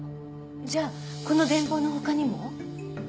じゃあこの電報の他にも？